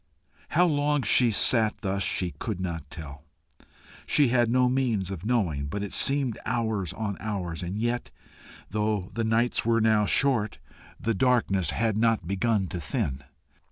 How long she sat thus she could not tell she had no means of knowing, but it seemed hours on hours, and yet, though the nights were now short, the darkness had not begun to thin.